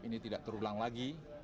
ini tidak terulang lagi